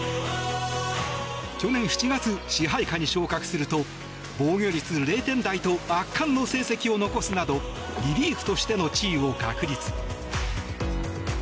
去年７月、支配下に昇格すると防御率０点台と圧巻の成績を残すなどリリーフとしての地位を確立。